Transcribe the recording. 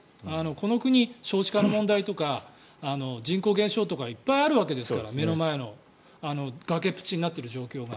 この国、少子化の問題とか人口減少とかいっぱいあるわけですから目の前の崖っぷちになっている状況が。